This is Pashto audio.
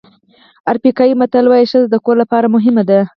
افریقایي متل وایي ښځه د کور لپاره مهمه ده.